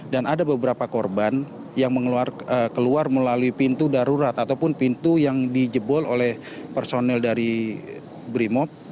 dan ada beberapa korban yang keluar melalui pintu darurat ataupun pintu yang dijebol oleh personel dari brimob